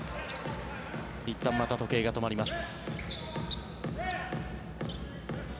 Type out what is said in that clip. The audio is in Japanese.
いったんまた時計が止まります。